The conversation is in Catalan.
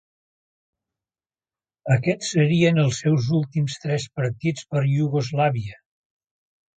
Aquests serien els seus últims tres partits per Iugoslàvia.